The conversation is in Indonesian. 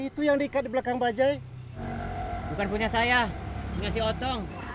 turun bantuin bawa otong